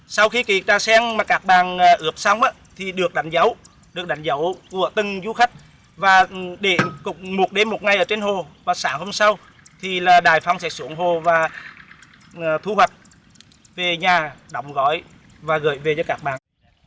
sau khi trà sen mà các bạn ướp xong thì được đánh dấu của từng du khách và để một đêm một ngày ở trên hồ và sáng hôm sau thì là đại phong sẽ xuống hồ và thu hoạch về nhà đóng gói và gửi về cho các bạn